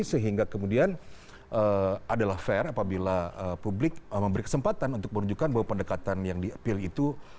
sehingga kemudian adalah fair apabila publik memberi kesempatan untuk menunjukkan bahwa pendekatan yang di appeal itu